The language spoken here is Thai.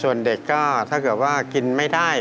ส่วนเด็กก็ถ้าเกิดว่ากินไม่ได้